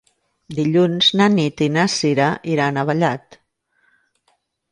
Dilluns na Nit i na Sira iran a Vallat.